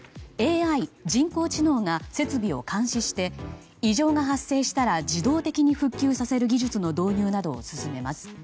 ＡＩ・人工知能が設備を監視して異常が発生したら自動的に復旧させる技術の導入などを進めます。